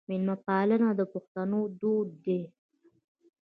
میلمه پالنه د پښتنو دود دی.